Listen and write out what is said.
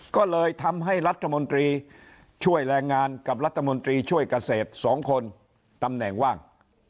ก็เลยทำให้รัฐมนตรีช่วยแรงงานกับรัฐมนตรีช่วยเกษตร๒คนตำแหน่งว่าง